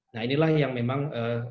nah inilah yang memang